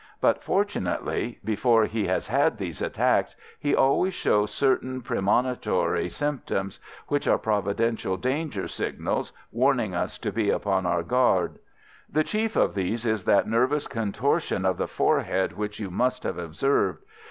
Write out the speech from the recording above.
But, fortunately, before he has these attacks he always shows certain premonitory symptoms, which are providential danger signals, warning us to be upon our guard. The chief of these is that nervous contortion of the forehead which you must have observed.